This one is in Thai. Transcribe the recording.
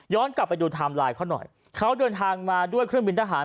กลับไปดูไทม์ไลน์เขาหน่อยเขาเดินทางมาด้วยเครื่องบินทหาร